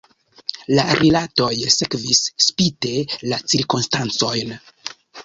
La rilatoj sekvis, spite la cirkonstancojn.